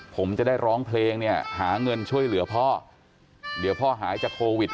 ผมจะได้ร้องเพลงเนี่ยหาเงินช่วยเหลือพ่อเดี๋ยวพ่อหายจากโควิด